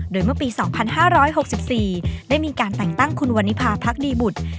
โดยเมื่อปี๒๕๖๔ได้มีการแต่งตั้งคุณวันนิพาพักดีบุตร